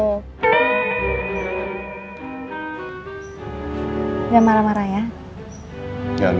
udah marah marah ya ya lucu bercandanya masuk